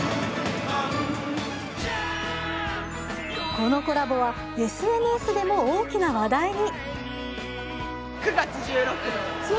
このコラボはＳＮＳでも大きな話題に。